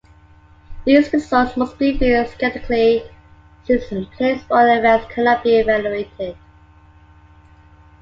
These results must be viewed skeptically since placebo effects cannot be evaluated.